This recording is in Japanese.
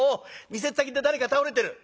店っ先で誰か倒れてる！